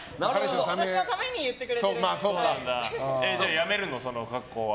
じゃあやめるの、その格好は？